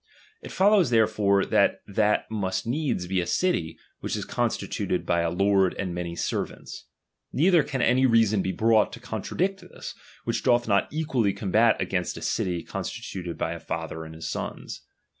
It follows therefore that that must needs be a city, which is constituted by a lord and many servants. Neither can any reason be brought to contradict this, which doth not equally combat against a city constituted by a father and his sons.